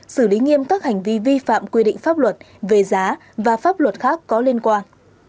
xử lý nghiêm các hành vi vi phạm quy định pháp luật về giá và pháp luật khác có liên quan